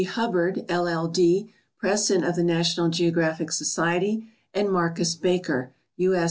Hubbard, LL. D., President of the National Geographic Society, AND Marcus Baker, U. S.